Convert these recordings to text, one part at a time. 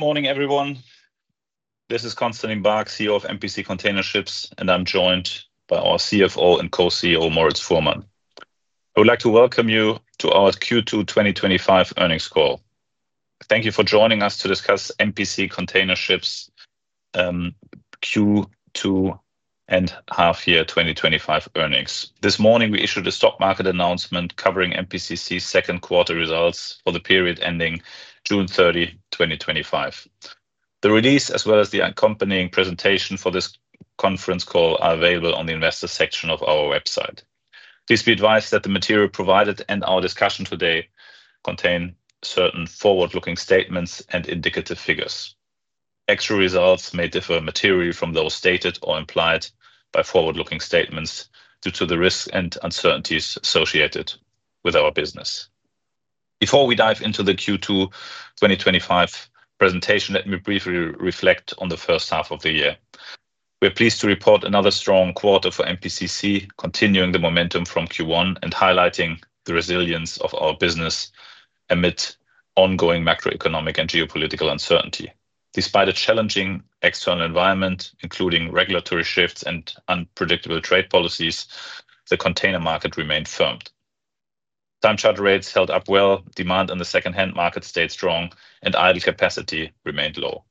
Good morning, everyone. This is Constantin Baack, CEO of MPC Container Ships, and I'm joined by our CFO and Co-CEO, Moritz Fuhrmann. I would like to welcome you to our Q2 2025 earnings call. Thank you for joining us to discuss MPC Container Ships's Q2 and half-year 2025 earnings. This morning, we issued a stock market announcement covering MPCC's second quarter results for the period ending June 30, 2025. The release, as well as the accompanying presentation for this conference call, are available on the Investor section of our website. Please be advised that the material provided and our discussion today contain certain forward-looking statements and indicative figures. Actual results may differ materially from those stated or implied by forward-looking statements due to the risks and uncertainties associated with our business. Before we dive into the Q2 2025 presentation, let me briefly reflect on the first half of the year. We are pleased to report another strong quarter for MPCC, continuing the momentum from Q1 and highlighting the resilience of our business amid ongoing macroeconomic and geopolitical uncertainty. Despite a challenging external environment, including regulatory shifts and unpredictable trade policies, the container market remained firm. Time charge rates held up well, demand on the second-hand market stayed strong, and idle capacity remained low.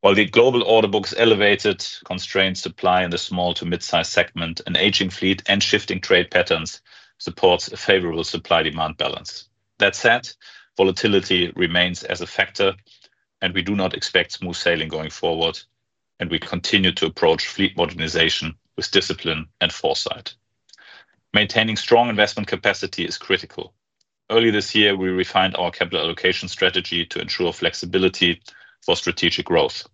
While the global order book is elevated, constrained supply in the small to mid-sized segment, an aging fleet, and shifting trade patterns support a favorable supply-demand balance. That said, volatility remains a factor, and we do not expect smooth sailing going forward, and we continue to approach fleet modernization with discipline and foresight. Maintaining strong investment capacity is critical. Early this year, we refined our capital allocation strategy to ensure flexibility for strategic growth.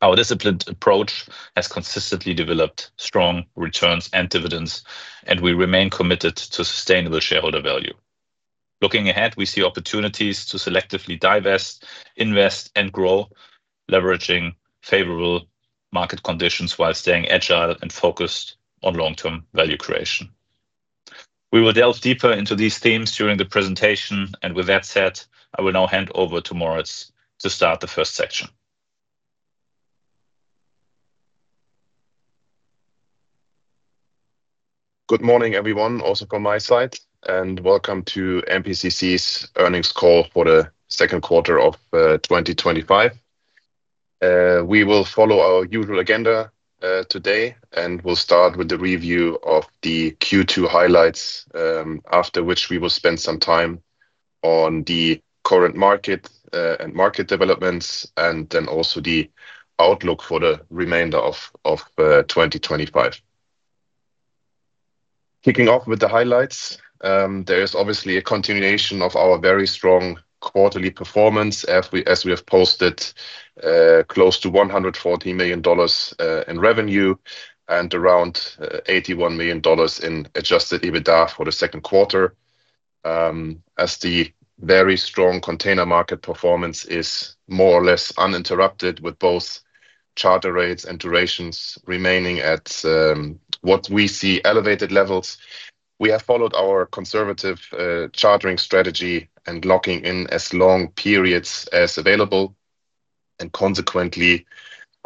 Our disciplined approach has consistently developed strong returns and dividends, and we remain committed to sustainable shareholder value. Looking ahead, we see opportunities to selectively divest, invest, and grow, leveraging favorable market conditions while staying agile and focused on long-term value creation. We will delve deeper into these themes during the presentation, and with that said, I will now hand over to Moritz to start the first section. Good morning, everyone, also from my side, and welcome to MPCC's Earnings Call for the Second Quarter of 2025. We will follow our usual agenda today, and we'll start with the review of the Q2 highlights, after which we will spend some time on the current market and market developments, and then also the outlook for the remainder of 2025. Kicking off with the highlights, there is obviously a continuation of our very strong quarterly performance, as we have posted close to $140 million in revenue and around $81 million in adjusted EBITDA for the second quarter. As the very strong container market performance is more or less uninterrupted, with both charter rates and durations remaining at what we see as elevated levels, we have followed our conservative chartering strategy and locking in as long periods as available. Consequently,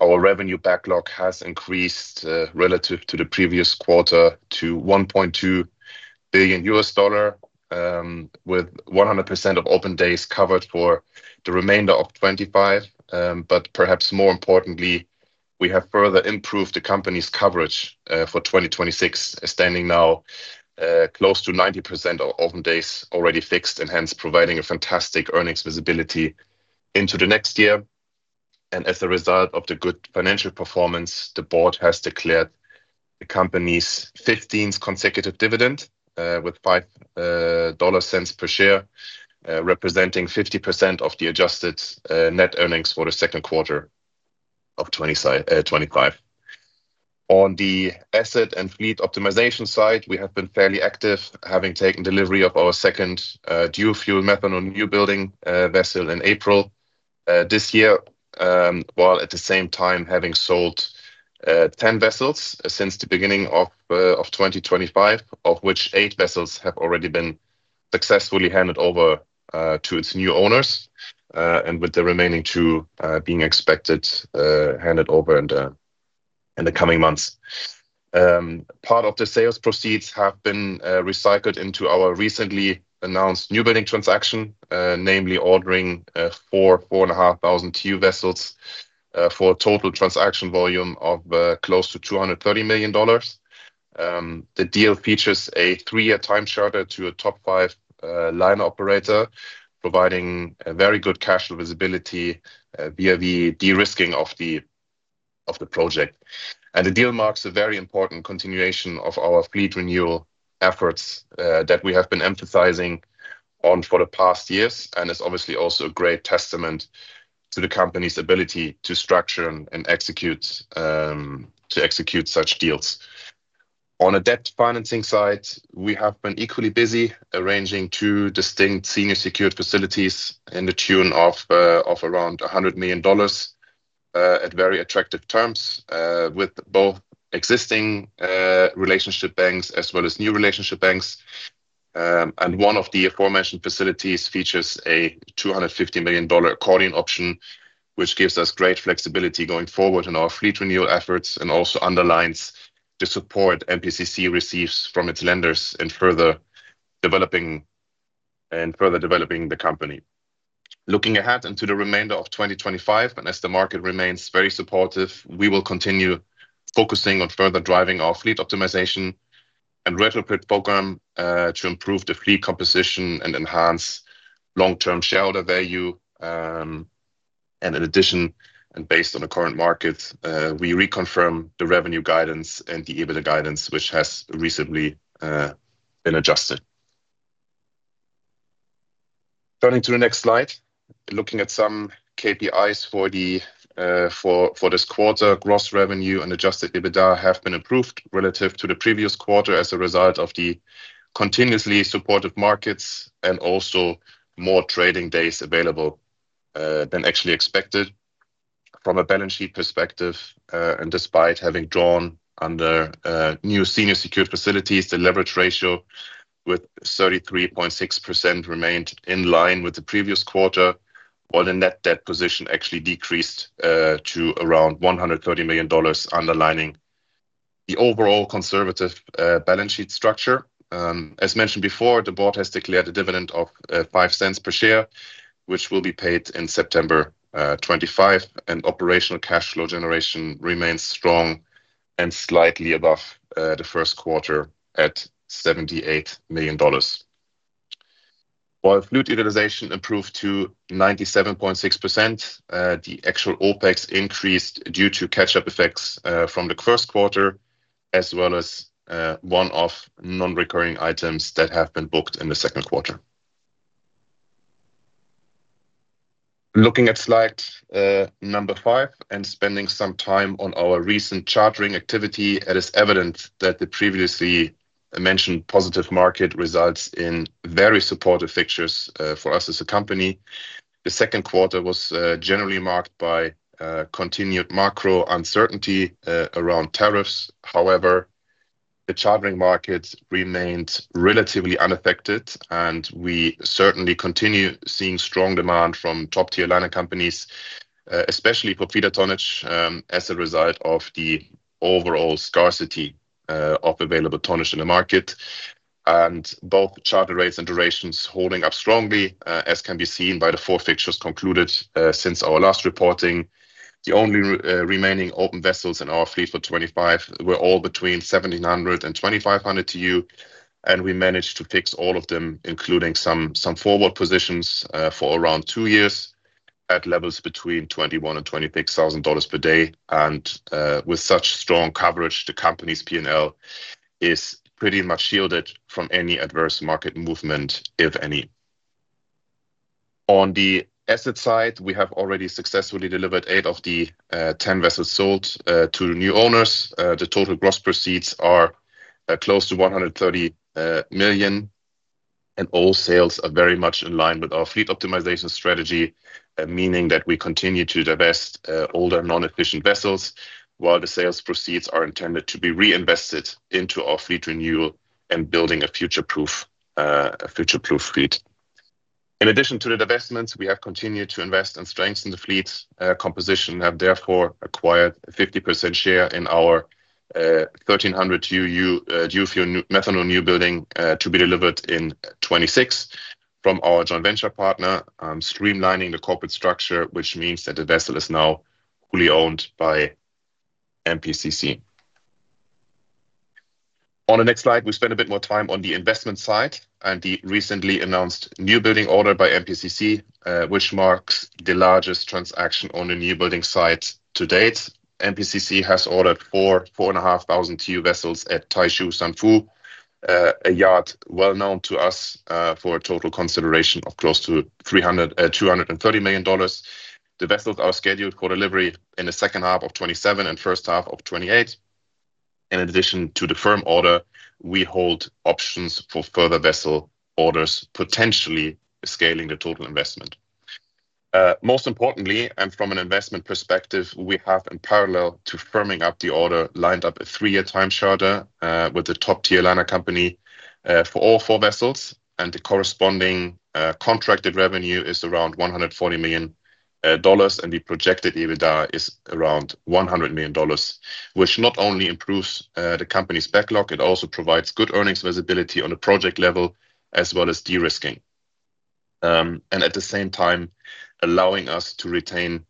our revenue backlog has increased relative to the previous quarter to $1.2 billion, with 100% of open days covered for the remainder of 2025. Perhaps more importantly, we have further improved the company's coverage for 2026, standing now close to 90% of open days already fixed, and hence providing a fantastic earnings visibility into the next year. As a result of the good financial performance, the board has declared the company's 15th consecutive dividend with $0.05 per share, representing 50% of the adjusted net earnings for the second quarter of 2025. On the asset and fleet optimization side, we have been fairly active, having taken delivery of our second methanol dual-fuel newbuilding vessel in April this year, while at the same time having sold 10 vessels since the beginning of 2025, of which eight vessels have already been successfully handed over to their new owners, with the remaining two being expected handed over in the coming months. Part of the sales proceeds have been recycled into our recently announced newbuilding transaction, namely ordering four 4,500 TEU vessels for a total transaction volume of close to $230 million. The deal features a three-year time charter to a top five liner operator, providing very good cash flow visibility via the de-risking of the project. The deal marks a very important continuation of our fleet renewal efforts that we have been emphasizing for the past years, and it is obviously also a great testament to the company's ability to structure and execute such deals. On the debt financing side, we have been equally busy arranging two distinct senior secured facilities in the tune of around $100 million at very attractive terms, with both existing relationship banks as well as new relationship banks. One of the aforementioned facilities features a $250 million accordion option, which gives us great flexibility going forward in our fleet renewal efforts and also underlines the support MPCC receives from its lenders in further developing the company. Looking ahead into the remainder of 2025, and as the market remains very supportive, we will continue focusing on further driving our fleet optimization and retrofit program to improve the fleet composition and enhance long-term shareholder value. In addition, and based on the current markets, we reconfirm the revenue guidance and the EBITDA guidance, which has recently been adjusted. Turning to the next slide, looking at some KPIs for this quarter, gross revenue and adjusted EBITDA have been improved relative to the previous quarter as a result of the continuously supported markets and also more trading days available than actually expected. From a balance sheet perspective, and despite having drawn under new senior secured facilities, the leverage ratio with 33.6% remained in line with the previous quarter, while the net debt position actually decreased to around $130 million, underlining the overall conservative balance sheet structure. As mentioned before, the board has declared a dividend of $0.05 per share, which will be paid in September 2025, and operational cash flow generation remains strong and slightly above the first quarter at $78 million. While fleet utilization improved to 97.6%, the actual OpEx increased due to catch-up effects from the first quarter, as well as one-off non-recurring items that have been booked in the second quarter. Looking at slide number five and spending some time on our recent chartering activity, it is evident that the previously mentioned positive market results in very supportive pictures for us as a company. The second quarter was generally marked by continued macro uncertainty around tariffs. However, the chartering market remained relatively unaffected, and we certainly continue seeing strong demand from top-tier liner companies, especially for feeder tonnage, as a result of the overall scarcity of available tonnage in the market. Both charter rates and durations holding up strongly, as can be seen by the four fixtures concluded since our last reporting. The only remaining open vessels in our fleet for 2025 were all between 1,700 TEU and 2,500 TEU, and we managed to fix all of them, including some forward positions for around two years at levels between $21,000 and $26,000 per day. With such strong coverage, the company's P&L is pretty much shielded from any adverse market movement, if any. On the asset side, we have already successfully delivered eight of the 10 vessels sold to new owners. The total gross proceeds are close to $130 million, and all sales are very much in line with our fleet optimization strategy, meaning that we continue to divest older non-efficient vessels, while the sales proceeds are intended to be reinvested into our fleet renewal and building a future-proof fleet. In addition to the divestments, we have continued to invest and strengthen the fleet's composition and have therefore acquired a 50% share in our 1,300 TEU methanol dual-fuel newbuilding to be delivered in 2026 from our joint venture partner. I'm streamlining the corporate structure, which means that the vessel is now fully owned by MPCC. On the next slide, we spend a bit more time on the investment side and the recently announced newbuilding order by MPCC, which marks the largest transaction on the newbuilding side to date. MPCC has ordered four 4,500 TEU vessels at Taizhou Sanfu, a yard well known to us, for a total consideration of close to $230 million. The vessels are scheduled for delivery in the second half of 2027 and first half of 2028. In addition to the firm order, we hold options for further vessel orders, potentially scaling the total investment. Most importantly, and from an investment perspective, we have, in parallel to firming up the order, lined up a three-year time charter with a top-tier liner company for all four vessels, and the corresponding contracted revenue is around $140 million, and the projected EBITDA is around $100 million, which not only improves the company's backlog, it also provides good earnings visibility on the project level, as well as de-risking, and at the same time, allowing us to retain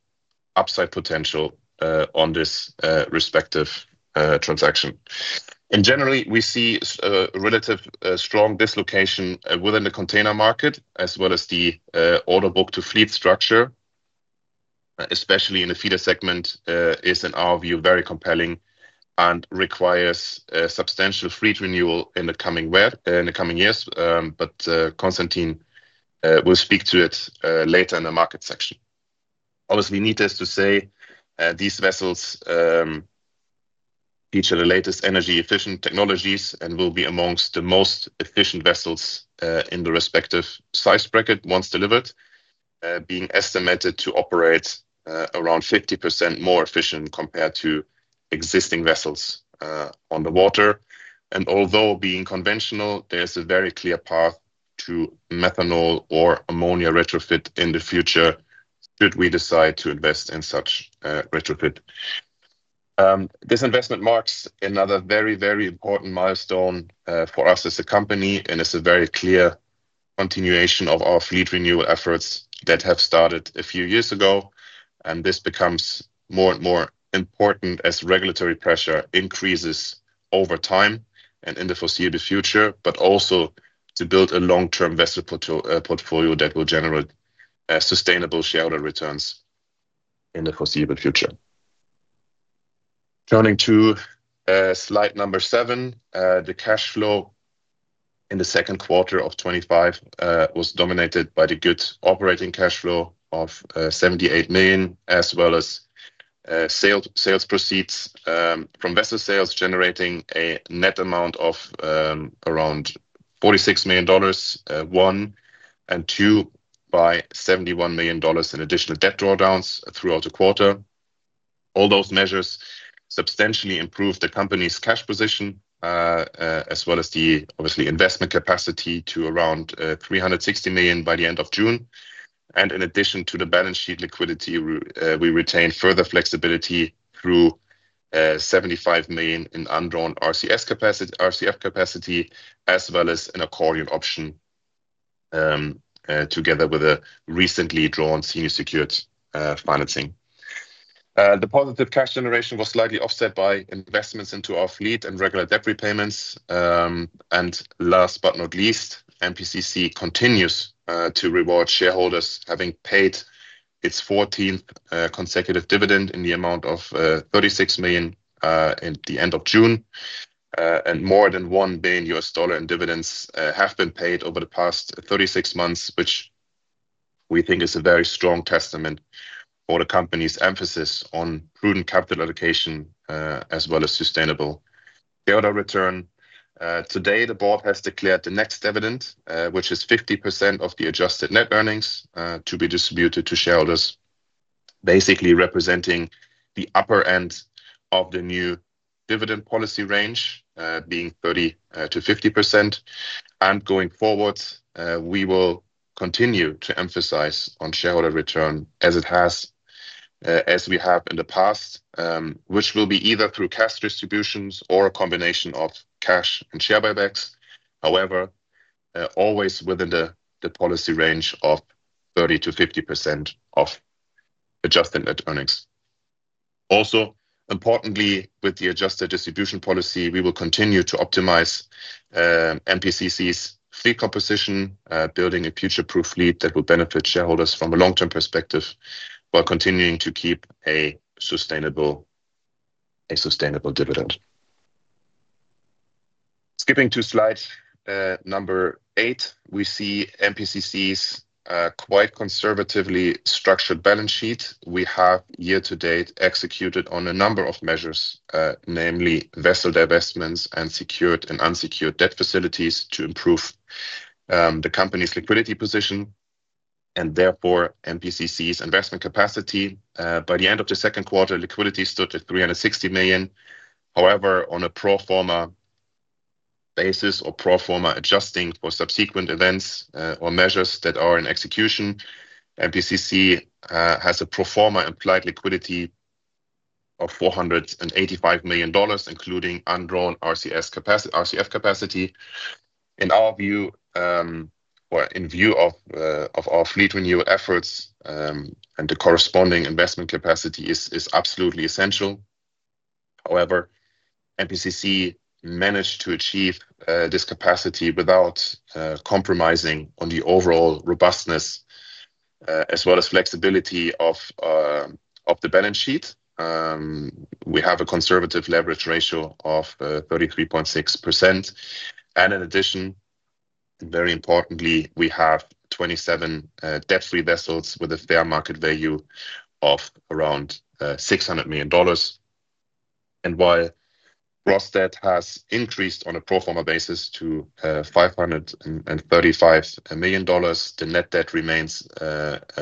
upside potential on this respective transaction. In general, we see a relatively strong dislocation within the container market, as well as the order book-to-fleet structure, especially in the feeder segment, is in our view very compelling and requires substantial fleet renewal in the coming years. Constantin will speak to it later in the market section. Obviously, needless to say, these vessels feature the latest energy-efficient technologies and will be amongst the most efficient vessels in the respective size bracket once delivered, being estimated to operate around 50% more efficient compared to existing vessels on the water. Although being conventional, there's a very clear path to methanol or ammonia retrofit in the future should we decide to invest in such retrofit. This investment marks another very, very important milestone for us as a company, and it's a very clear continuation of our fleet renewal efforts that have started a few years ago. This becomes more and more important as regulatory pressure increases over time and in the foreseeable future, but also to build a long-term vessel portfolio that will generate sustainable shareholder returns in the foreseeable future. Turning to slide number seven, the cash flow in the second quarter of 2025 was dominated by the good operating cash flow of $78 million, as well as sales proceeds from vessel sales, generating a net amount of around $46 million, and by $71 million in additional debt drawdowns throughout the quarter. All those measures substantially improved the company's cash position, as well as the investment capacity to around $360 million by the end of June. In addition to the balance sheet liquidity, we retained further flexibility through $75 million in undrawn RCF capacity, as well as an accordion option, together with a recently drawn senior secured financing. The positive cash generation was slightly offset by investments into our fleet and regular debt repayments. Last but not least, MPCC continues to reward shareholders, having paid its 14th consecutive dividend in the amount of $36 million at the end of June. More than $1 billion in dividends have been paid over the past 36 months, which we think is a very strong testament for the company's emphasis on prudent capital allocation, as well as sustainable shareholder return. Today, the board has declared the next dividend, which is 50% of the adjusted net earnings to be distributed to shareholders, basically representing the upper end of the new dividend policy range, being 30%-50%. Going forward, we will continue to emphasize on shareholder return, as it has in the past, which will be either through cash distributions or a combination of cash and share buybacks. However, always within the policy range of 30%-50% of adjusted net earnings. Also, importantly, with the adjusted distribution policy, we will continue to optimize MPCC's fleet composition, building a future-proof fleet that will benefit shareholders from a long-term perspective, while continuing to keep a sustainable dividend. Skipping to slide number eight, we see MPCC's quite conservatively structured balance sheet. We have year-to-date executed on a number of measures, namely vessel divestments and secured and unsecured debt facilities to improve the company's liquidity position and therefore MPCC's investment capacity. By the end of the second quarter, liquidity stood at $360 million. However, on a pro forma basis or pro forma adjusting for subsequent events or measures that are in execution, MPCC has a pro forma implied liquidity of $485 million, including undrawn RCF capacity. In our view, in view of our fleet renewal efforts and the corresponding investment capacity, it is absolutely essential. However, MPCC managed to achieve this capacity without compromising on the overall robustness, as well as flexibility of the balance sheet. We have a conservative leverage ratio of 33.6%. In addition, very importantly, we have 27 debt-free vessels with a fair market value of around $600 million. While gross debt has increased on a pro forma basis to $535 million, the net debt remains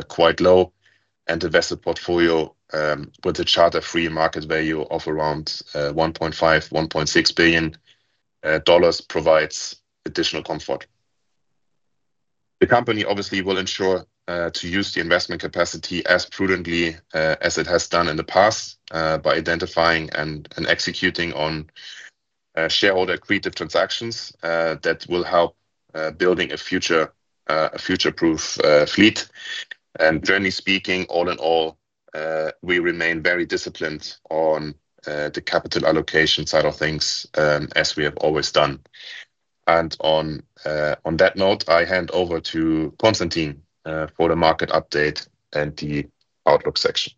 quite low, and the vessel portfolio with a charter-free market value of around $1.5 billion-$1.6 billion provides additional comfort. The company obviously will ensure to use the investment capacity as prudently as it has done in the past by identifying and executing on shareholder-agreed transactions that will help building a future-proof fleet. Generally speaking, all in all, we remain very disciplined on the capital allocation side of things, as we have always done. On that note, I hand over to Constantin for the market update and the outlook section.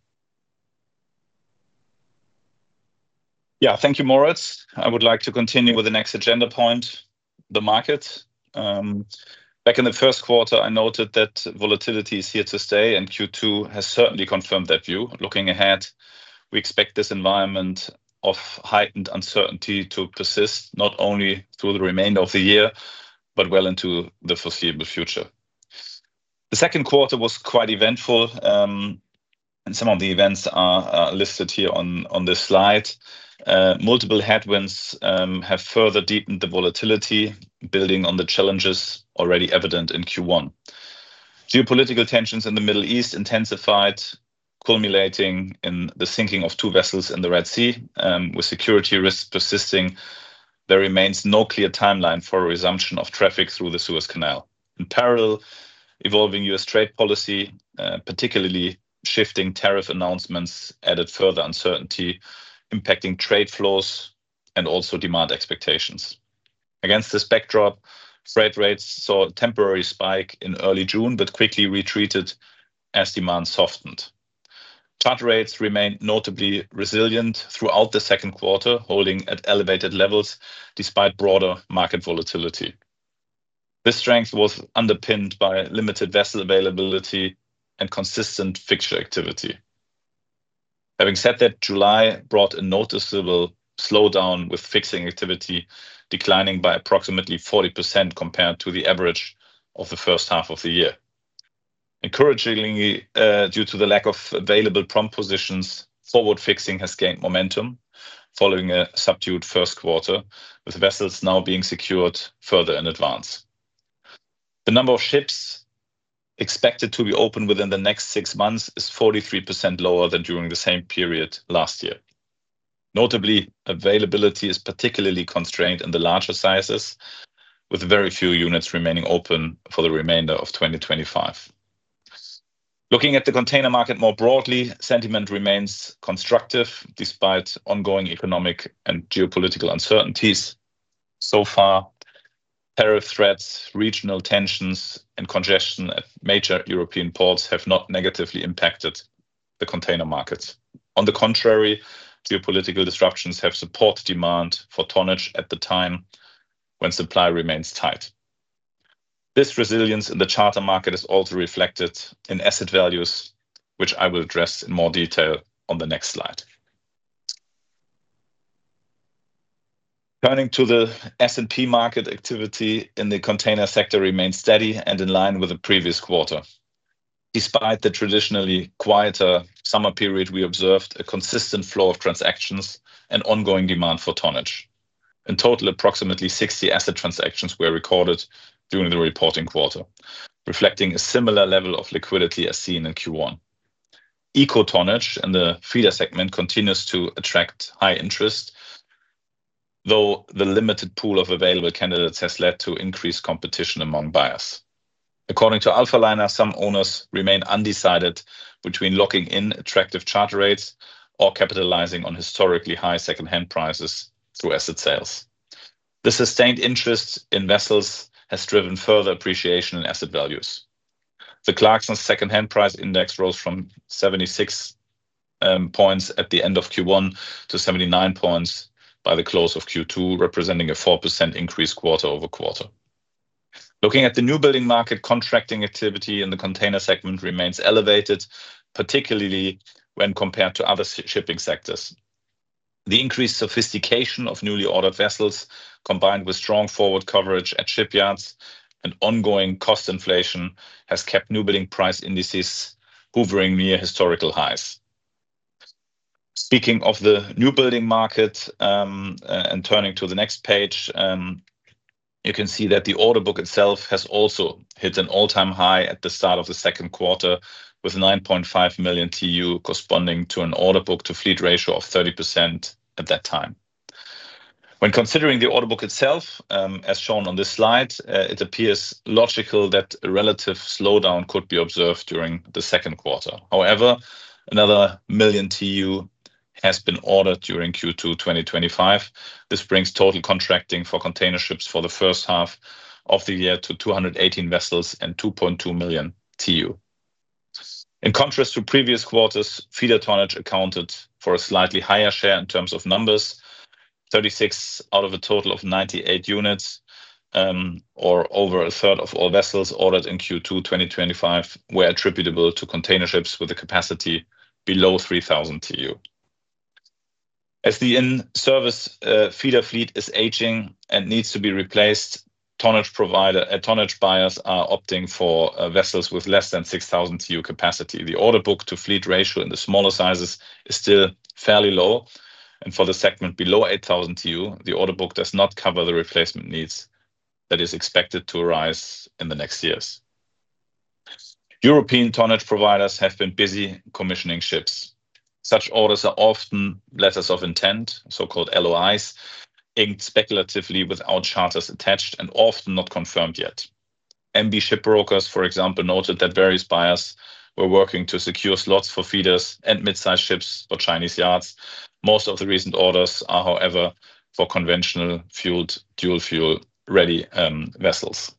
Yeah, thank you, Moritz. I would like to continue with the next agenda point, the market. Back in the first quarter, I noted that volatility is here to stay, and Q2 has certainly confirmed that view. Looking ahead, we expect this environment of heightened uncertainty to persist not only through the remainder of the year, but well into the foreseeable future. The second quarter was quite eventful, and some of the events are listed here on this slide. Multiple headwinds have further deepened the volatility, building on the challenges already evident in Q1. Geopolitical tensions in the Middle East intensified, culminating in the sinking of two vessels in the Red Sea. With security risks persisting, there remains no clear timeline for a resumption of traffic through the Suez Canal. In parallel, evolving U.S. trade policy, particularly shifting tariff announcements, added further uncertainty, impacting trade flows and also demand expectations. Against this backdrop, freight rates saw a temporary spike in early June, but quickly retreated as demand softened. Charter rates remained notably resilient throughout the second quarter, holding at elevated levels despite broader market volatility. This strength was underpinned by limited vessel availability and consistent fixture activity. Having said that, July brought a noticeable slowdown with fixing activity, declining by approximately 40% compared to the average of the first half of the year. Encouragingly, due to the lack of available prompt positions, forward fixing has gained momentum following a subdued first quarter, with vessels now being secured further in advance. The number of ships expected to be open within the next six months is 43% lower than during the same period last year. Notably, availability is particularly constrained in the larger sizes, with very few units remaining open for the remainder of 2025. Looking at the container market more broadly, sentiment remains constructive despite ongoing economic and geopolitical uncertainties. So far, tariff threats, regional tensions, and congestion at major European ports have not negatively impacted the container markets. On the contrary, geopolitical disruptions have supported demand for tonnage at the time when supply remains tight. This resilience in the charter market is also reflected in asset values, which I will address in more detail on the next slide. Turning to the S&P market, activity in the container sector remains steady and in line with the previous quarter. Despite the traditionally quieter summer period, we observed a consistent flow of transactions and ongoing demand for tonnage. In total, approximately 60 asset transactions were recorded during the reporting quarter, reflecting a similar level of liquidity as seen in Q1. Eco-tonnage in the feeder segment continues to attract high interest, though the limited pool of available candidates has led to increased competition among buyers. According to Alphaliner, some owners remain undecided between locking in attractive charter rates or capitalizing on historically high second-hand prices through asset sales. The sustained interest in vessels has driven further appreciation in asset values. The Clarkson second-hand price index rose from 76 points at the end of Q1 to 79 points by the close of Q2, representing a 4% increase quarter-over-quarter. Looking at the newbuilding market, contracting activity in the container segment remains elevated, particularly when compared to other shipping sectors. The increased sophistication of newly ordered vessels, combined with strong forward coverage at shipyards and ongoing cost inflation, has kept newbuilding price indices hovering near historical highs. Speaking of the newbuilding market and turning to the next page, you can see that the order book itself has also hit an all-time high at the start of the second quarter, with 9.5 million TEU corresponding to an order book-to-fleet ratio of 30% at that time. When considering the order book itself, as shown on this slide, it appears logical that a relative slowdown could be observed during the second quarter. However, another million TEU has been ordered during Q2 2025. This brings total contracting for container ships for the first half of the year to 218 vessels and 2.2 million TEU. In contrast to previous quarters, feeder tonnage accounted for a slightly higher share in terms of numbers: 36 out of a total of 98 units, or over 1/3 of all vessels ordered in Q2 2025, were attributable to container ships with a capacity below 3,000 TEU. As the in-service feeder fleet is aging and needs to be replaced, tonnage buyers are opting for vessels with less than 6,000 TEU capacity. The order book-to-fleet ratio in the smaller sizes is still fairly low, and for the segment below 8,000 TEU, the order book does not cover the replacement needs that are expected to arise in the next years. European tonnage providers have been busy commissioning ships. Such orders are often letters of intent, so-called LOIs, inked speculatively without charters attached and often not confirmed yet. MB Shipbrokers, for example, noted that various buyers were working to secure slots for feeders and mid-sized ships or Chinese yards. Most of the recent orders are, however, for conventionally fueled dual-fuel ready vessels.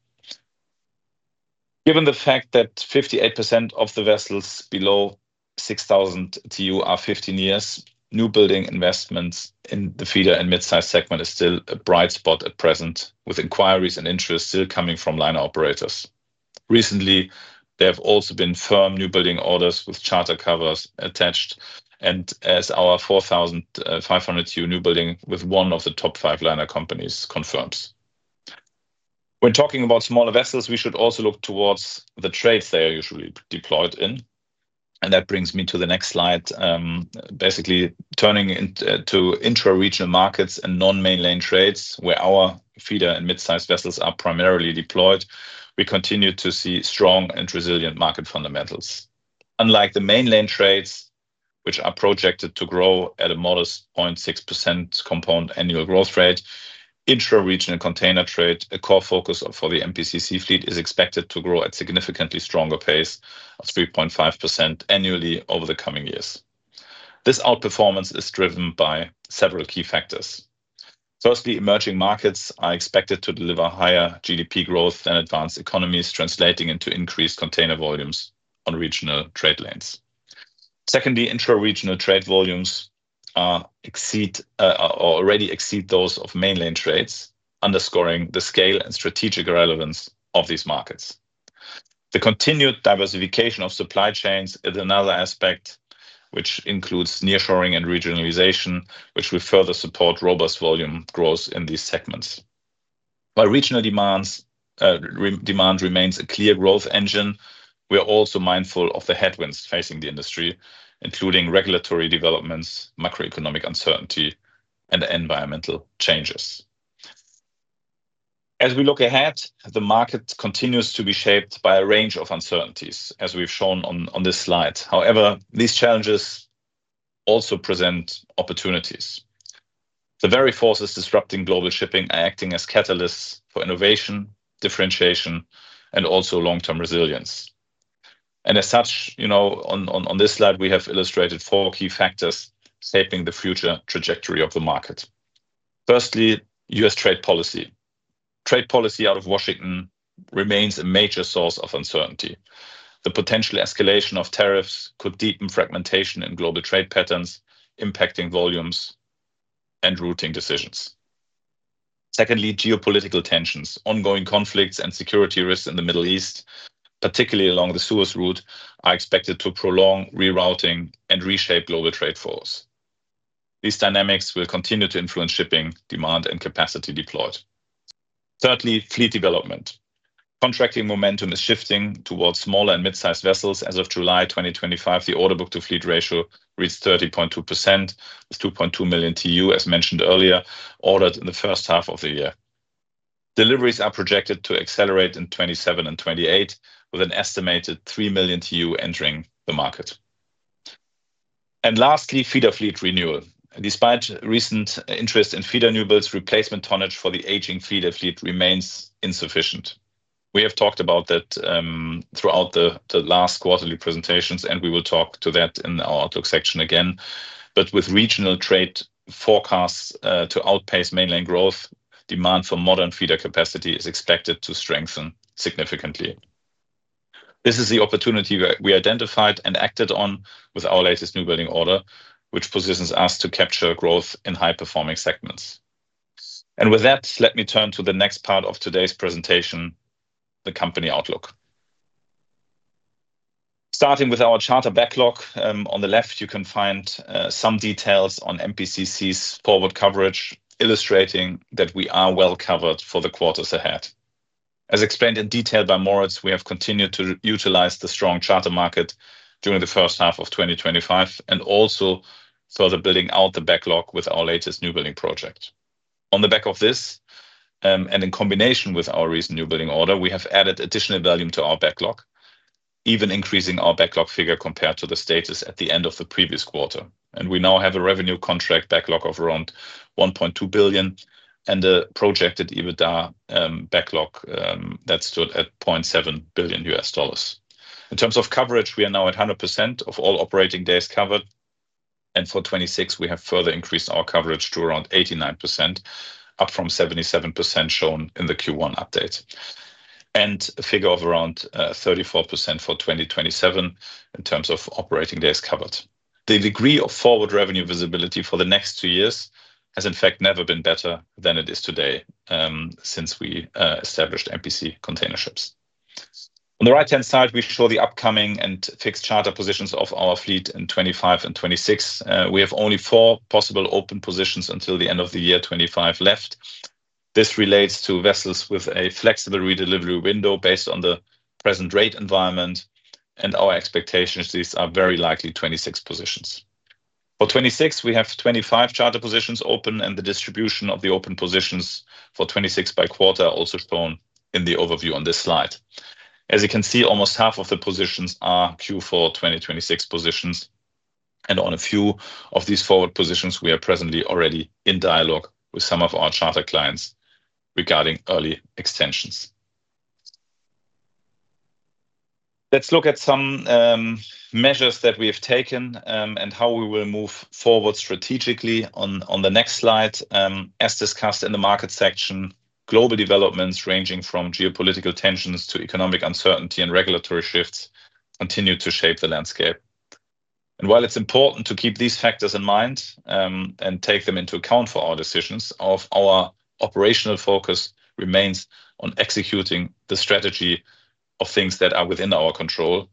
Given the fact that 58% of the vessels below 6,000 TEU are 15 years, newbuilding investments in the feeder and mid-sized segment are still a bright spot at present, with inquiries and interest still coming from liner operators. Recently, there have also been firm newbuilding orders with charter covers attached, as our 4,500 TEU newbuilding with one of the top five liner companies confirms. When talking about smaller vessels, we should also look towards the trades they are usually deployed in. That brings me to the next slide, basically turning to intraregional markets and non-main lane trades, where our feeder and mid-sized vessels are primarily deployed. We continue to see strong and resilient market fundamentals. Unlike the main lane trades, which are projected to grow at a modest 0.6% Compound Annual Growth Rate, intraregional container trade, a core focus for the MPCC fleet, is expected to grow at a significantly stronger pace of 3.5% annually over the coming years. This outperformance is driven by several key factors. Firstly, emerging markets are expected to deliver higher GDP growth than advanced economies, translating into increased container volumes on regional trade lanes. Secondly, intraregional trade volumes already exceed those of main lane trades, underscoring the scale and strategic relevance of these markets. The continued diversification of supply chains is another aspect, which includes nearshoring and regionalization, which will further support robust volume growth in these segments. While regional demand remains a clear growth engine, we are also mindful of the headwinds facing the industry, including regulatory developments, macroeconomic uncertainty, and environmental changes. As we look ahead, the market continues to be shaped by a range of uncertainties, as we've shown on this slide. However, these challenges also present opportunities. The very forces disrupting global shipping are acting as catalysts for innovation, differentiation, and also long-term resilience. As such, on this slide, we have illustrated four key factors shaping the future trajectory of the market. Firstly, U.S. trade policy. Trade policy out of Washington remains a major source of uncertainty. The potential escalation of tariffs could deepen fragmentation in global trade patterns, impacting volumes and routing decisions. Secondly, geopolitical tensions. Ongoing conflicts and security risks in the Middle East, particularly along the Suez Route, are expected to prolong rerouting and reshape global trade flows. These dynamics will continue to influence shipping demand and capacity deployed. Thirdly, fleet development. Contracting momentum is shifting towards smaller and mid-sized vessels. As of July 2025, the order book-to-fleet ratio reached 30.2%, with 2.2 million TEU, as mentioned earlier, ordered in the first half of the year. Deliveries are projected to accelerate in 2027 and 2028, with an estimated 3 million TEU entering the market. Lastly, feeder fleet renewal. Despite recent interest in feeder newbuilds, replacement tonnage for the aging feeder fleet remains insufficient. We have talked about that throughout the last quarterly presentations, and we will talk to that in our outlook section again. With regional trade forecasts to outpace mainland growth, demand for modern feeder capacity is expected to strengthen significantly. This is the opportunity we identified and acted on with our latest newbuilding order, which positions us to capture growth in high-performing segments. With that, let me turn to the next part of today's presentation, the company outlook. Starting with our charter backlog, on the left, you can find some details on MPCC's forward coverage, illustrating that we are well covered for the quarters ahead. As explained in detail by Moritz, we have continued to utilize the strong charter market during the first half of 2025 and also further building out the backlog with our latest newbuilding project. On the back of this, and in combination with our recent newbuilding order, we have added additional value to our backlog, even increasing our backlog figure compared to the status at the end of the previous quarter. We now have a revenue contract backlog of around $1.2 billion and a projected EBITDA backlog that stood at $0.7 billion. In terms of coverage, we are now at 100% of all operating days covered, and for 2026, we have further increased our coverage to around 89%, up from 77% shown in the Q1 update, and a figure of around 34% for 2027 in terms of operating days covered. The degree of forward revenue visibility for the next two years has, in fact, never been better than it is today since we established MPC Container Ships. On the right-hand side, we show the upcoming and fixed charter positions of our fleet in 2025 and 2026. We have only four possible open positions until the end of the year 2025 left. This relates to vessels with a flexible redelivery window based on the present rate environment, and our expectation is these are very likely 2026 positions. For 2026, we have 25 charter positions open, and the distribution of the open positions for 2026 by quarter is also shown in the overview on this slide. As you can see, almost half of the positions are Q4 2026 positions, and on a few of these forward positions, we are presently already in dialogue with some of our charter clients regarding early extensions. Let's look at some measures that we have taken and how we will move forward strategically on the next slide. As discussed in the market section, global developments ranging from geopolitical tensions to economic uncertainty and regulatory shifts continue to shape the landscape. While it's important to keep these factors in mind and take them into account for our decisions, our operational focus remains on executing the strategy of things that are within our control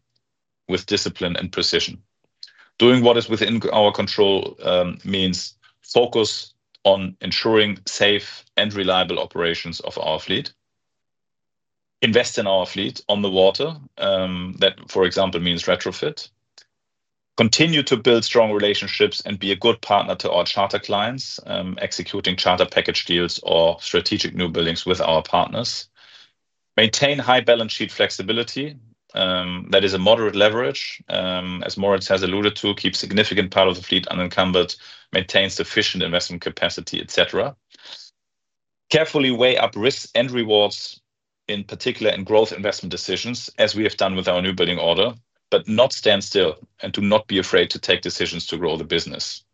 with discipline and precision. Doing what is within our control means focus on ensuring safe and reliable operations of our fleet. Invest in our fleet on the water. That, for example, means retrofit. Continue to build strong relationships and be a good partner to our charter clients, executing charter package deals or strategic newbuildings with our partners. Maintain high balance sheet flexibility. That is a moderate leverage, as Moritz has alluded to, keeps a significant part of the fleet unencumbered, maintains sufficient investment capacity, et cetera. Carefully weigh up risks and rewards, in particular in growth investment decisions, as we have done with our newbuilding order, but not stand still and do not be afraid to take decisions to grow the business.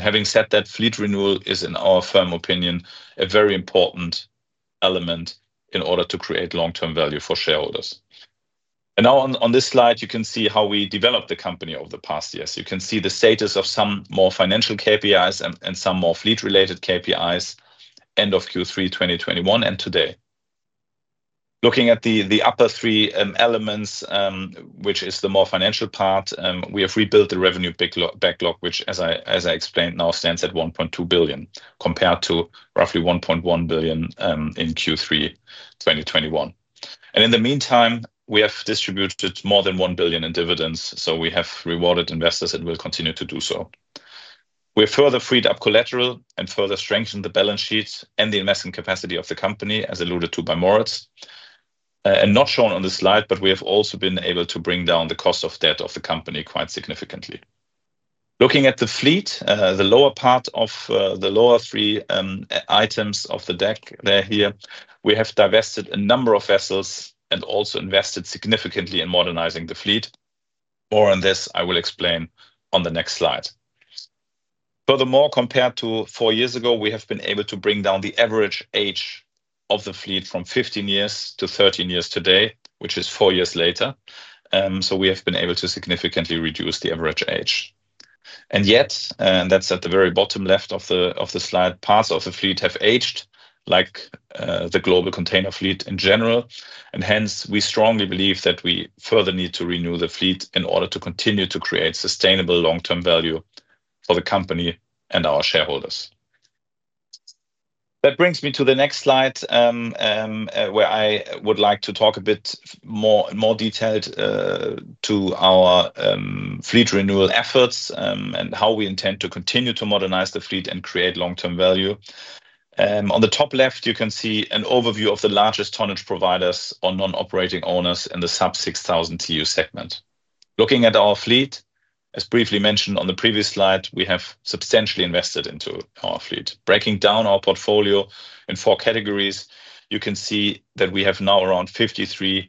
Having said that, fleet renewal is, in our firm opinion, a very important element in order to create long-term value for shareholders. Now, on this slide, you can see how we developed the company over the past years. You can see the status of some more financial KPIs and some more fleet-related KPIs end of Q3 2021 and today. Looking at the upper three elements, which is the more financial part, we have rebuilt the revenue backlog, which, as I explained now, stands at $1.2 billion compared to roughly $1.1 billion in Q3 2021. In the meantime, we have distributed more than $1 billion in dividends, so we have rewarded investors and will continue to do so. We have further freed up collateral and further strengthened the balance sheets and the investment capacity of the company, as alluded to by Moritz, and not shown on this slide, but we have also been able to bring down the cost of debt of the company quite significantly. Looking at the fleet, the lower part of the lower three items of the deck here, we have divested a number of vessels and also invested significantly in modernizing the fleet. More on this, I will explain on the next slide. Furthermore, compared to four years ago, we have been able to bring down the average age of the fleet from 15 years to 13 years today, which is four years later. We have been able to significantly reduce the average age. Yet, and that's at the very bottom left of the slide, parts of the fleet have aged, like the global container fleet in general. Hence, we strongly believe that we further need to renew the fleet in order to continue to create sustainable long-term value for the company and our shareholders. That brings me to the next slide, where I would like to talk a bit more detailed about our fleet renewal efforts and how we intend to continue to modernize the fleet and create long-term value. On the top left, you can see an overview of the largest tonnage providers or non-operating owners in the sub-6,000 TEU segment. Looking at our fleet, as briefly mentioned on the previous slide, we have substantially invested into our fleet, breaking down our portfolio in four categories. You can see that we have now around 53%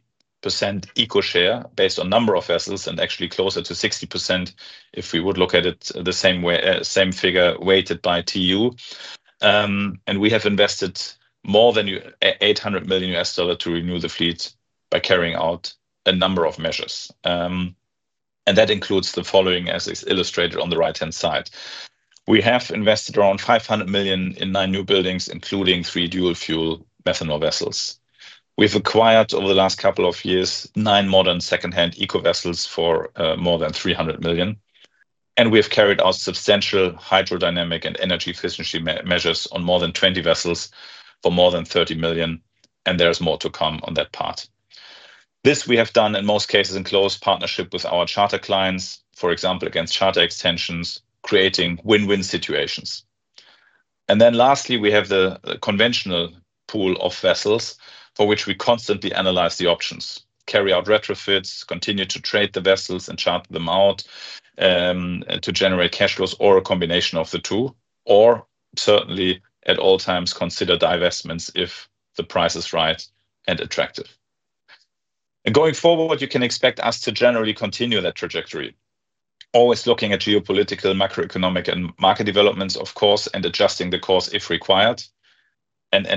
eco-share based on the number of vessels and actually closer to 60% if we would look at it the same way, same figure weighted by TEU. We have invested more than $800 million to renew the fleet by carrying out a number of measures. That includes the following, as is illustrated on the right-hand side. We have invested around $500 million in nine newbuildings, including three methanol dual-fuel vessels. We've acquired, over the last couple of years, nine modern second-hand eco-vessels for more than $300 million. We've carried out substantial hydrodynamic and energy efficiency measures on more than 20 vessels for more than $30 million, and there's more to come on that part. This we have done in most cases in close partnership with our charter clients, for example, against charter extensions, creating win-win situations. Lastly, we have the conventional pool of vessels for which we constantly analyze the options, carry out retrofits, continue to trade the vessels and charter them out to generate cash flows or a combination of the two, or certainly at all times consider divestments if the price is right and attractive. Going forward, you can expect us to generally continue that trajectory, always looking at geopolitical, macroeconomic, and market developments, of course, and adjusting the course if required.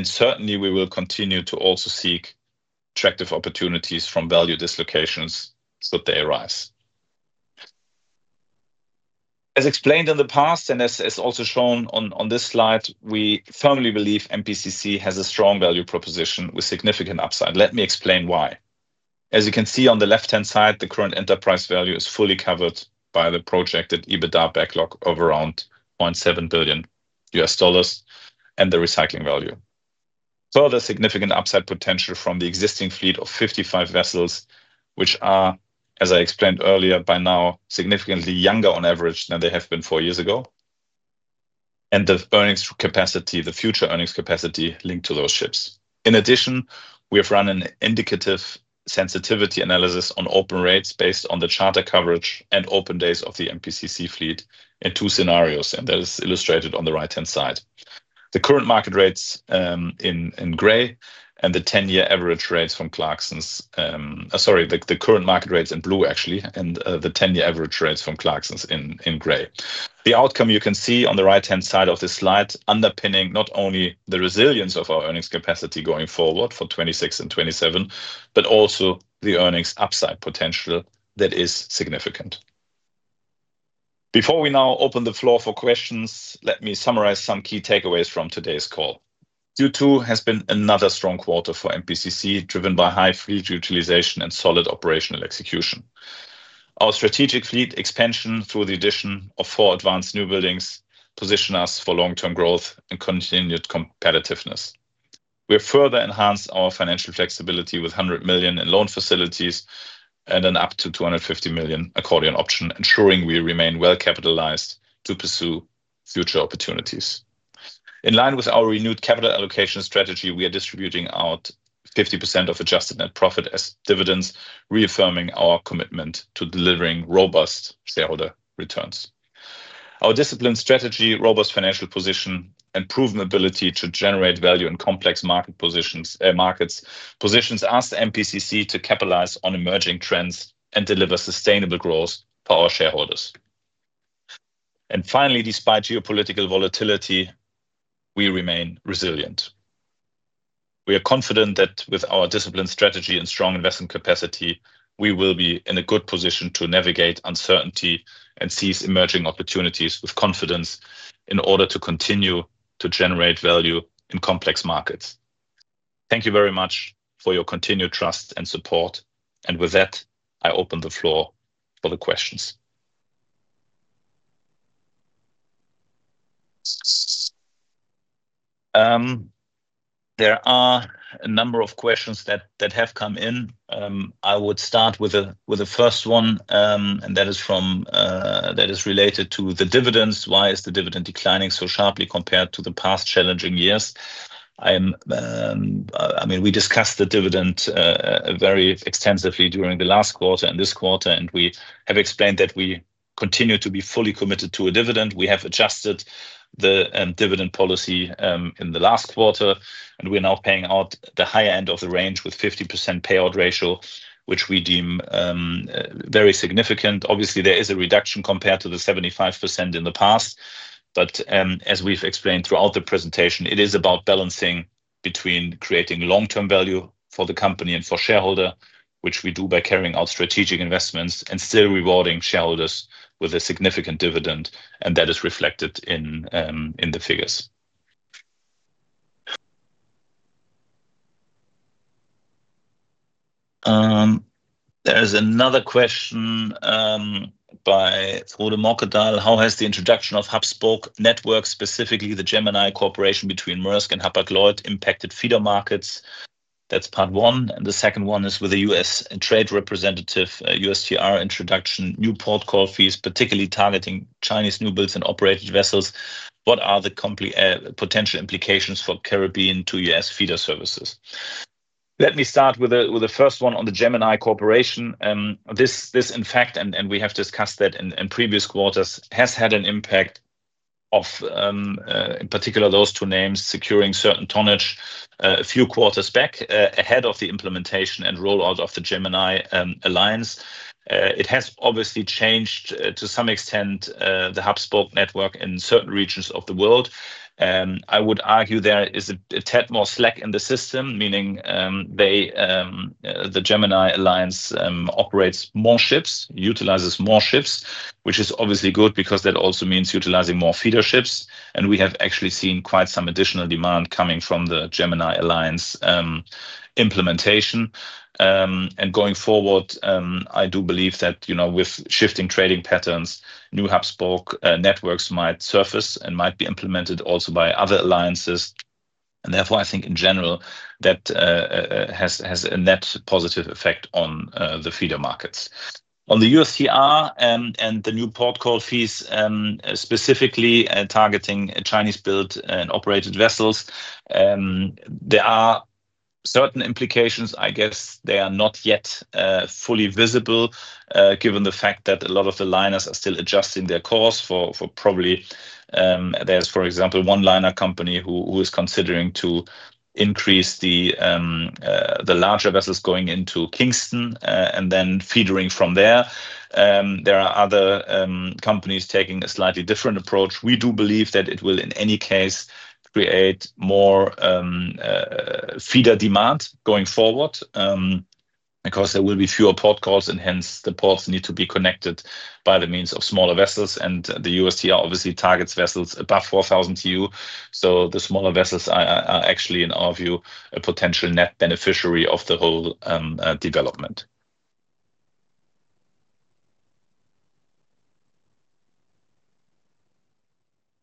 Certainly, we will continue to also seek attractive opportunities from value dislocations should they arise. As explained in the past and as is also shown on this slide, we firmly believe MPCC has a strong value proposition with significant upside. Let me explain why. As you can see on the left-hand side, the current enterprise value is fully covered by the projected EBITDA backlog of around $0.7 billion US dollars and the recycling value. Further significant upside potential from the existing fleet of 55 vessels, which are, as I explained earlier, by now significantly younger on average than they have been four years ago, and the earnings capacity, the future earnings capacity linked to those ships. In addition, we have run an indicative sensitivity analysis on open rates based on the charter coverage and open days of the MPCC fleet in two scenarios, and that is illustrated on the right-hand side. The current market rates in gray and the 10-year average rates from Clarkson's, sorry, the current market rates in blue, actually, and the 10-year average rates from Clarkson's in gray. The outcome you can see on the right-hand side of this slide underpinning not only the resilience of our earnings capacity going forward for 2026 and 2027, but also the earnings upside potential that is significant. Before we now open the floor for questions, let me summarize some key takeaways from today's call. Q2 has been another strong quarter for MPCC, driven by high fleet utilization and solid operational execution. Our strategic fleet expansion through the addition of four advanced new buildings positioned us for long-term growth and continued competitiveness. We have further enhanced our financial flexibility with $100 million in loan facilities and an up to $250 million accordion option, ensuring we remain well-capitalized to pursue future opportunities. In line with our renewed capital allocation strategy, we are distributing out 50% of adjusted net profit as dividends, reaffirming our commitment to delivering robust shareholder returns. Our disciplined strategy, robust financial position, and proven ability to generate value in complex market positions ask MPCC to capitalize on emerging trends and deliver sustainable growth for our shareholders. Finally, despite geopolitical volatility, we remain resilient. We are confident that with our disciplined strategy and strong investment capacity, we will be in a good position to navigate uncertainty and seize emerging opportunities with confidence in order to continue to generate value in complex markets. Thank you very much for your continued trust and support. With that, I open the floor for the questions. There are a number of questions that have come in. I would start with the first one, and that is related to the dividends. Why is the dividend declining so sharply compared to the past challenging years? I mean, we discussed the dividend very extensively during the last quarter and this quarter, and we have explained that we continue to be fully committed to a dividend. We have adjusted the dividend policy in the last quarter, and we're now paying out the higher end of the range with a 50% payout ratio, which we deem very significant. Obviously, there is a reduction compared to the 75% in the past, but as we've explained throughout the presentation, it is about balancing between creating long-term value for the company and for shareholders, which we do by carrying out strategic investments and still rewarding shareholders with a significant dividend, and that is reflected in the figures. There's another question by Aldo Mercado. How has the introduction of hub-spoke networks, specifically the Gemini cooperation between Maersk and Hapag-Lloyd, impacted feeder markets? That's part one. The second one is with the U.S. trade representative, USTR, introduction of new port call fees, particularly targeting Chinese new builds and operated vessels. What are the potential implications for Caribbean to U.S. feeder services? Let me start with the first one on the Gemini cooperation. This, in fact, and we have discussed that in previous quarters, has had an impact on particularly those two names securing certain tonnage. A few quarters back, ahead of the implementation and rollout of the Gemini cooperation, it has obviously changed to some extent the hub-spoke network in certain regions of the world. I would argue there is a tad more slack in the system, meaning the Gemini cooperation operates more ships, utilizes more ships, which is obviously good because that also means utilizing more feeder ships. We have actually seen quite some additional demand coming from the Gemini cooperation implementation. Going forward, I do believe that with shifting trading patterns, new hub-spoke networks might surface and might be implemented also by other alliances. Therefore, I think in general that has a net positive effect on the feeder markets. On the USTR and the new port call fees, specifically targeting Chinese-built and operated vessels, there are certain implications. I guess they are not yet fully visible, given the fact that a lot of the liners are still adjusting their course. There's, for example, one liner company who is considering to increase the larger vessels going into Kingston and then feedering from there. There are other companies taking a slightly different approach. We do believe that it will, in any case, create more feeder demand going forward because there will be fewer port calls, and hence the ports need to be connected by the means of smaller vessels. The USTR obviously targets vessels above 4,000 TEU, so the smaller vessels are actually, in our view, a potential net beneficiary of the whole development.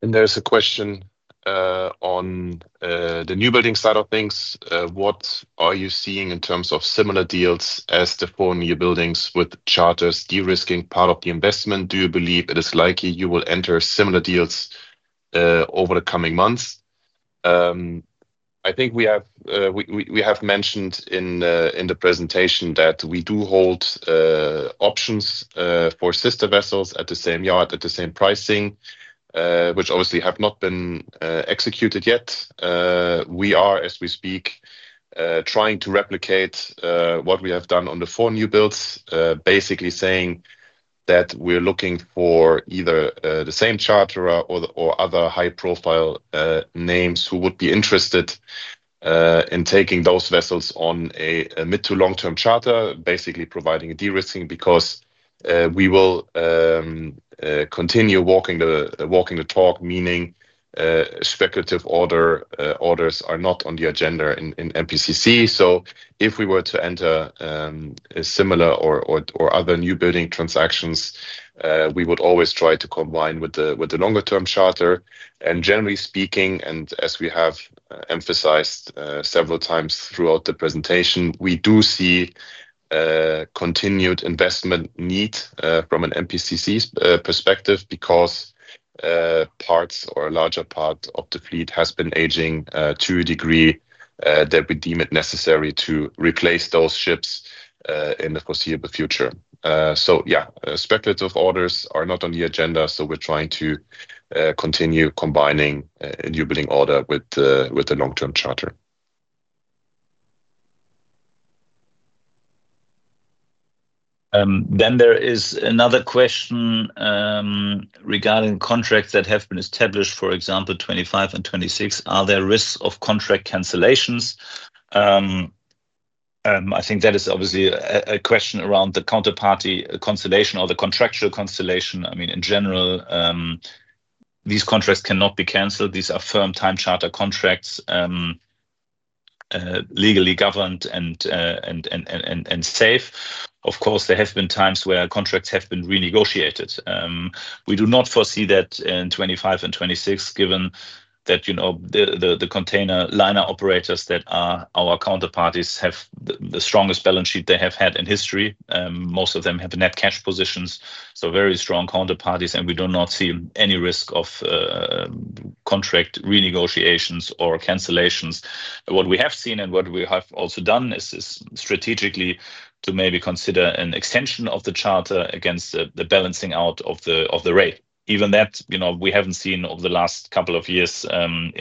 There's a question on the newbuilding side of things. What are you seeing in terms of similar deals as the four newbuildings with charters de-risking part of the investment? Do you believe it is likely you will enter similar deals over the coming months? I think we have mentioned in the presentation that we do hold options for sister vessels at the same yard at the same pricing, which obviously have not been executed yet. We are, as we speak, trying to replicate what we have done on the four newbuilds, basically saying that we're looking for either the same charterer or other high-profile names who would be interested in taking those vessels on a mid-to-long-term charter, basically providing a de-risking because we will continue walking the talk, meaning speculative orders are not on the agenda in MPCC. If we were to enter similar or other newbuilding transactions, we would always try to combine with the longer-term charter. Generally speaking, and as we have emphasized several times throughout the presentation, we do see continued investment need from an MPCC perspective because parts or a larger part of the fleet has been aging to a degree that we deem it necessary to replace those ships in the foreseeable future. Speculative orders are not on the agenda, so we're trying to continue combining a newbuilding order with the long-term charter. There is another question regarding contracts that have been established, for example, 2025 and 2026. Are there risks of contract cancellations? I think that is obviously a question around the counterparty constellation or the contractual constellation. In general, these contracts cannot be canceled. These are firm time charter contracts, legally governed and safe. Of course, there have been times where contracts have been renegotiated. We do not foresee that in 2025 and 2026, given that the container liner operators that are our counterparties have the strongest balance sheet they have had in history. Most of them have net cash positions, so very strong counterparties, and we do not see any risk of contract renegotiations or cancellations. What we have seen and what we have also done is strategically to maybe consider an extension of the charter against the balancing out of the rate. Even that, we haven't seen over the last couple of years. On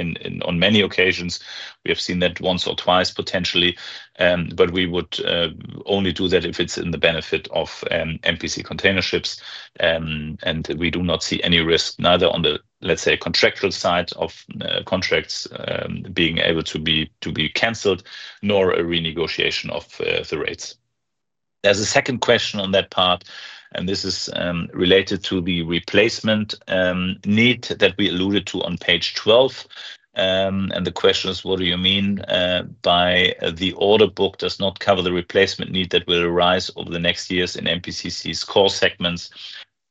many occasions, we have seen that once or twice potentially, but we would only do that if it's in the benefit of MPC Container Ships. We do not see any risk neither on the, let's say, contractual side of contracts being able to be canceled nor a renegotiation of the rates. There's a second question on that part, and this is related to the replacement need that we alluded to on page 12. The question is, what do you mean by the order book does not cover the replacement need that will arise over the next years in MPCC's core segments?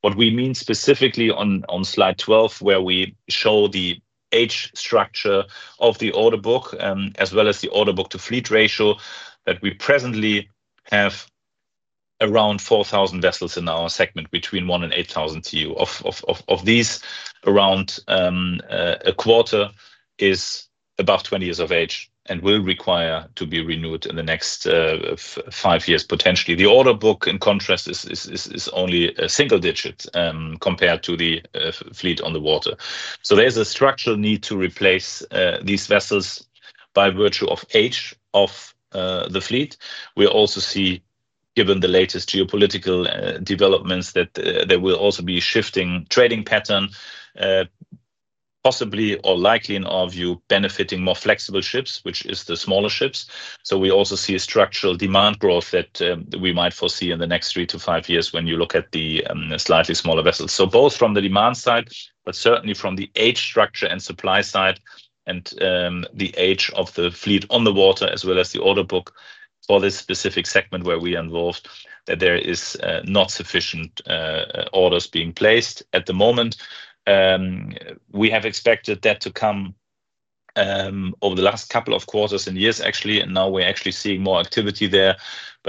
What we mean specifically on slide 12, where we show the age structure of the order book as well as the order book-to-fleet ratio, that we presently have around 4,000 vessels in our segment between 1,000 TEU and 8,000 TEU. Of these, around a quarter is above 20 years of age and will require to be renewed in the next five years, potentially. The order book, in contrast, is only a single digit compared to the fleet on the water. There's a structural need to replace these vessels by virtue of age of the fleet. We also see, given the latest geopolitical developments, that there will also be a shifting trading pattern, possibly or likely, in our view, benefiting more flexible ships, which are the smaller ships. We also see a structural demand growth that we might foresee in the next three to five years when you look at the slightly smaller vessels. Both from the demand side, but certainly from the age structure and supply side and the age of the fleet on the water, as well as the order book for this specific segment where we are involved, that there are not sufficient orders being placed at the moment. We have expected that to come over the last couple of quarters and years, actually, and now we're actually seeing more activity there.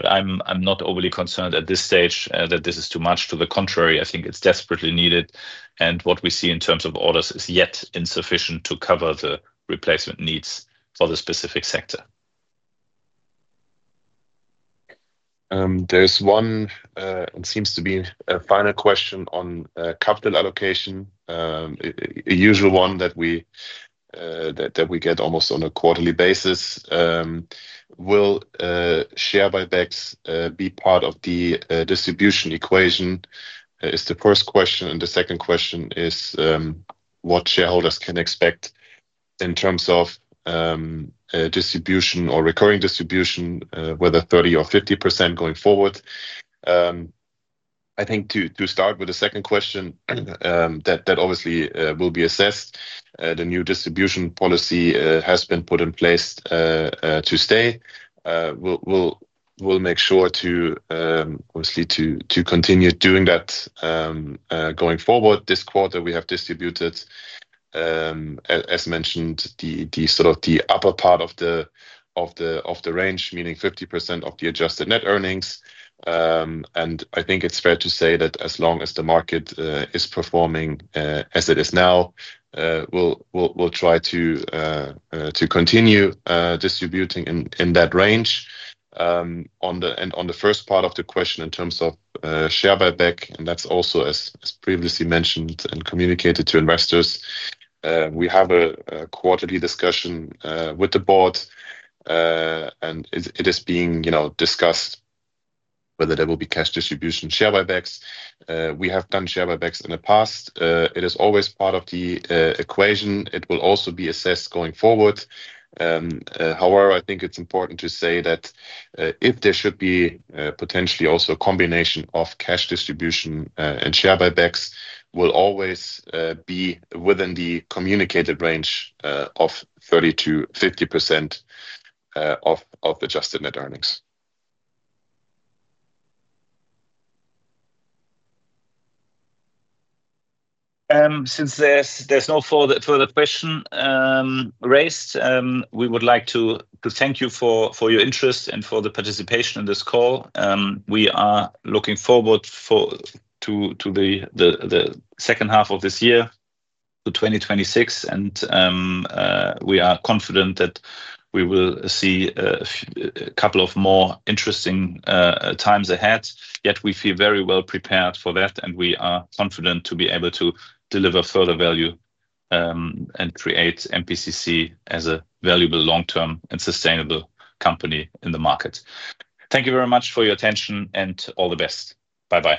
I'm not overly concerned at this stage that this is too much. To the contrary, I think it's desperately needed, and what we see in terms of orders is yet insufficient to cover the replacement needs for the specific sector. There's one and seems to be a final question on capital allocation, a usual one that we get almost on a quarterly basis. Will share buybacks be part of the distribution equation? It's the first question, and the second question is what shareholders can expect in terms of distribution or recurring distribution, whether 30% or 50% going forward. I think to start with the second question, that obviously will be assessed. The new distribution policy has been put in place to stay. We'll make sure to obviously continue doing that going forward. This quarter, we have distributed, as mentioned, the sort of upper part of the range, meaning 50% of the adjusted net earnings. I think it's fair to say that as long as the market is performing as it is now, we'll try to continue distributing in that range. On the first part of the question in terms of share buyback, and that's also as previously mentioned and communicated to investors, we have a quarterly discussion with the board, and it is being discussed whether there will be cash distribution share buybacks. We have done share buybacks in the past. It is always part of the equation. It will also be assessed going forward. However, I think it's important to say that if there should be potentially also a combination of cash distribution and share buybacks, it will always be within the communicated range of 30%-50% of adjusted net earnings. Since there's no further question raised, we would like to thank you for your interest and for the participation in this call. We are looking forward to the second half of this year, to 2026, and we are confident that we will see a couple of more interesting times ahead. Yet, we feel very well prepared for that, and we are confident to be able to deliver further value and create MPCC as a valuable long-term and sustainable company in the market. Thank you very much for your attention and all the best. Bye-bye.